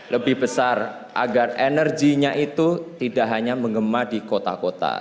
lebih besar agar energinya itu tidak hanya mengema di kota kota